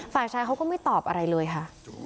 ฝ่ายชายเขาก็ไม่ตอบอะไรเลยค่ะ